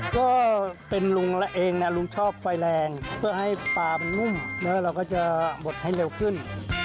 เดี๋ยวลุงจะบดให้เร็วขึ้น